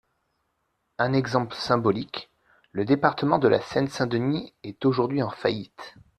Un exemple symbolique, le département de la Seine-Saint-Denis est aujourd’hui en faillite.